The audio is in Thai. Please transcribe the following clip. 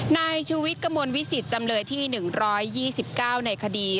นายชูวิทย์กระมวลวิสิตจำเลยที่๑๒๙ในคดี